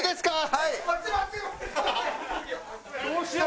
はい。